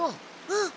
うん。